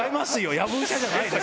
やぶ医者じゃないですよ。